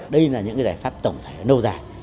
đây là những giải pháp tổng thể nâu dài